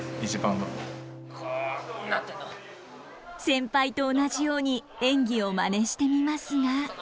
先輩と同じように演技をまねしてみますが。